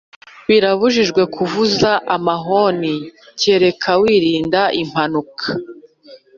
birabujijwe kuvuza amahoni keretse wirinda impanuka